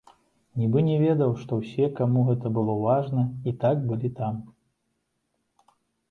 Нібы не ведаў, што ўсе, каму гэта было важна, і так былі там.